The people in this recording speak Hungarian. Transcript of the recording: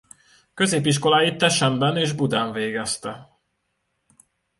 Középiskoláit Teschenben és Budán végezte.